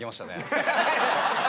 ハハハハ！